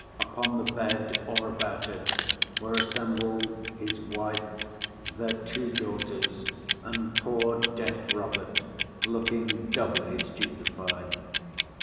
Upon the bed, or about it, were assembled his Wife, their two Daughters, and poor deaf Robert, looking doubly stupified.